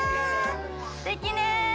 すてきね。